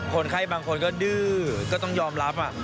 คนไข้บางคนก็ดื้อก็ต้องยอมรับ